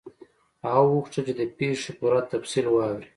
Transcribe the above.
هغه وغوښتل چې د پیښې پوره تفصیل واوري.